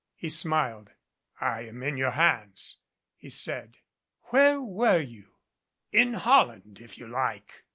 He smiled. "I am in your hands," he said. "Where were you?" "In Holland, if you like.